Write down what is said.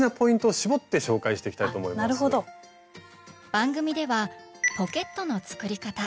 番組では「ポケットの作り方」。